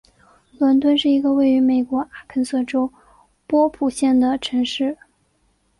伦敦是一个位于美国阿肯色州波普县的城市。